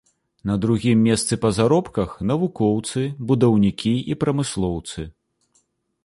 На другім месцы па заробках навукоўцы, будаўнікі і прамыслоўцы.